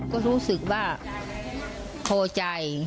ก็รู้สึกว่าพอใจ